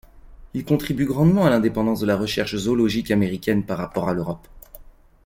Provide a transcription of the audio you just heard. Il contribue grandement à l'indépendance de la recherche zoologique américaine par rapport à l'Europe.